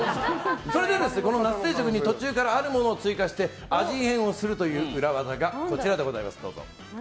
それで、このナス定食に途中からあるものを追加して味変をするという裏技がこちらです。